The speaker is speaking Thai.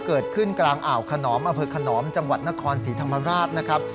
เกิดขึ้นกลางอ่าวขนอมอำเภอขนอมจังหวัดนครศรีธรรมราชนะครับ